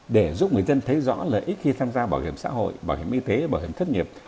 để giúp người dân thấy rõ lợi ích khi tham gia bảo hiểm xã hội bảo hiểm y tế bảo hiểm thất nghiệp